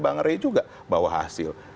bang ray juga bahwa hasil